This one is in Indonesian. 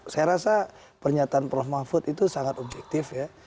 saya rasa pernyataan prof mahfud itu sangat objektif ya